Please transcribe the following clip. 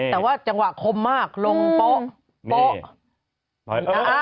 แต่ว่าจังหวะคมมากลงโป๊ะโป๊ะ